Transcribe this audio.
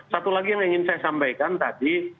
satu lagi yang ingin saya sampaikan tadi